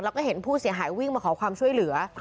แล้วก็เห็นผู้เสียหายวิ่งมาขอความช่วยเหลือ